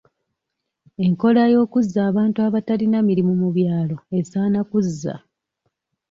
Enkola y'okuzza abantu abatalina mirimu mu byalo esaana kuzza.